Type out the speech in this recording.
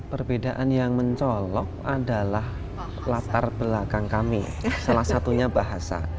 perbedaan yang mencolok adalah latar belakang kami salah satunya bahasa